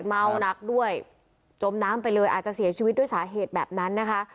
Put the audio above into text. เมาหนักด้วยจมน้ำไปเลยอาจจะเสียชีวิตด้วยสาเหตุแบบนั้นนะคะ